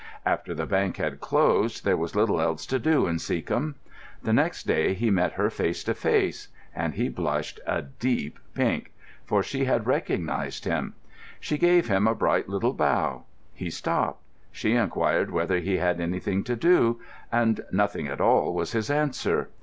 After the bank had closed there was little else to do in Seacombe. The next day he met her face to face, and he blushed a deep pink, for she had recognised him. She gave him a bright little bow; he stopped; she inquired whether he had anything to do; and "Nothing at all," was his answer.